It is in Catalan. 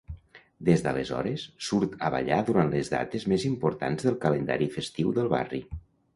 Des d'aleshores, surt a ballar durant les dates més importants del calendari festiu del barri.